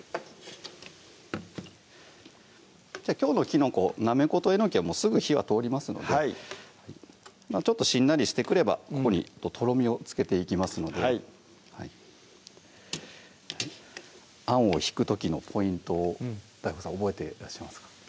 きょうのきのこなめことえのきはもうすぐ火は通りますのでちょっとしんなりしてくればここにとろみをつけていきますのであんをひく時のポイントをＤＡＩＧＯさん覚えてらっしゃいますか？